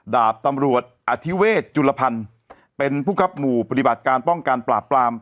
ดาบตำรวจอธิเวศจุลพันธ์เป็นผู้ครับหมู่ปฏิบัติการป้องกันปราบปราม